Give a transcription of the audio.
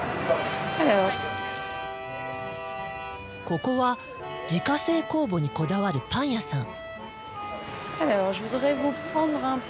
ここは自家製酵母にこだわるパン屋さん。